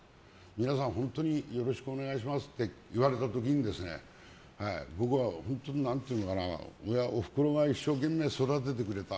皆さん本当によろしくお願いしますって言われた時に僕はおふくろが一生懸命育ててくれた。